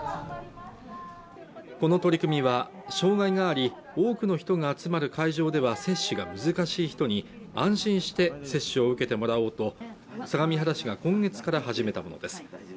この取り組みは障害があり多くの人が集まる会場では接種が難しい人に安心して接種を受けてもらおうと相模原市が今月から始めたものです